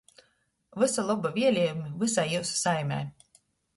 Vysa loba vieliejumi vysai jiusu saimei!